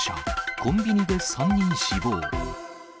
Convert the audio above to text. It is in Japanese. コンビニで３人死亡。